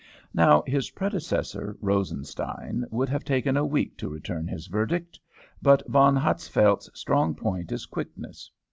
Now, his predecessor, Rosenstein, would have taken a week to return his verdict, but Von Hatzfeldt's strong point is quickness.